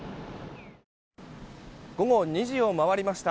午後２時を回りました。